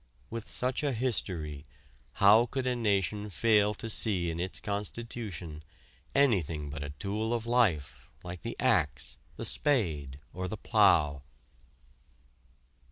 With such a history how could a nation fail to see in its constitution anything but a tool of life, like the axe, the spade or the plough?